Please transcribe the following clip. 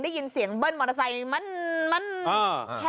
ได้ยินเสียงเบิ้ลมอเตอร์ไซส์